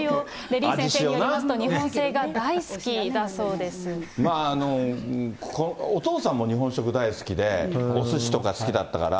李先生によりますと、お父さんも日本食大好きで、おすしとか好きだったから。